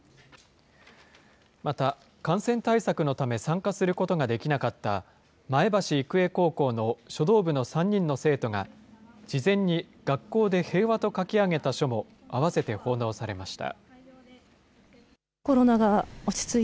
また、感染対策のため参加することができなかった、前橋育英高校の書道部の３人の生徒が、事前に学校で平和と書き上げた書も併せて奉納されました。